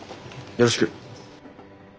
よろしく。